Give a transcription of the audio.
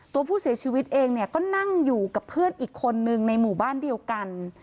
ตัวผู้เสียชีวิตเองเนี่ยก็นั่งอยู่กับเพื่อนอีกคนนึงในหมู่บ้านเดียวกัน